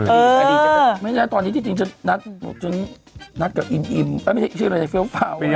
เออไม่ใช่ตอนนี้จริงจะนัดกับอินไม่ใช่ชื่ออะไรฟาว